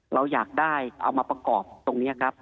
เราอยากได้เอามาประกอบตรงนี้ครับ